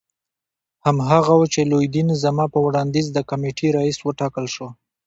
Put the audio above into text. هماغه وو چې لودین زما په وړاندیز د کمېټې رییس وټاکل شو.